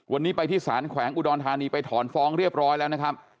วันนี้ไปที่สารแขวงอุดรธานีไปถอนฟ้องเรียบร้อยแล้วนะครับ